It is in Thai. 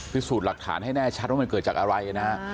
พิสูจน์หลักฐานให้แน่ชัดว่ามันเกิดจากอะไรนะฮะ